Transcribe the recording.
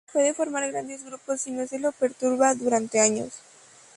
Puede formar grandes grupos si no se lo perturba durante años.